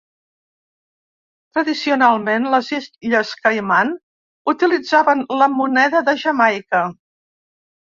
Tradicionalment, les illes Caiman utilitzaven la moneda de Jamaica.